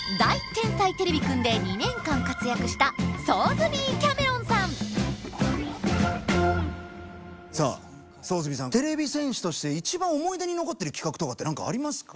天才てれびくん」で２年間活躍したさあソーズビーさんてれび戦士として一番思い出に残ってる企画とかって何かありますか？